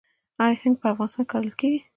آیا هنګ په افغانستان کې کرل کیږي؟